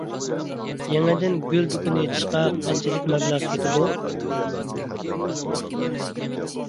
يېڭىدىن گۈل دۇكىنى ئېچىشقا قانچىلىك مەبلەغ كېتىدۇ؟